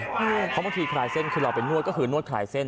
เพราะบางทีคลายเส้นคือเราไปนวดก็คือนวดคลายเส้น